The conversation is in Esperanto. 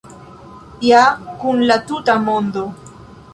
Ja kun la tuta mondo!